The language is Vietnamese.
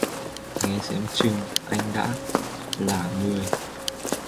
Nhưng xem chừng anh đã lả người